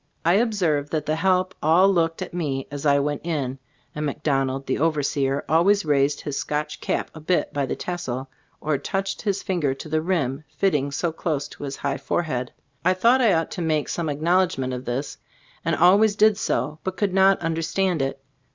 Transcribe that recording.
I observed that the help all looked at me as I went in, and McDonald, the overseer, always raised his Scotch cap a bit by the tassel, or touched his fin ger to the rim, fitting so closely to his high forehead. I thought I ought to make some acknowledgement of this, and always did so, but could not understand it.